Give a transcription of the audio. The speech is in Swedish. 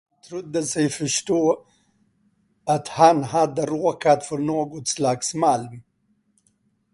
Han trodde sig förstå, att han hade råkat på något slags malm.